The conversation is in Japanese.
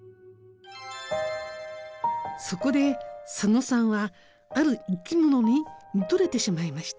そこで佐野さんはある生き物に見とれてしまいました。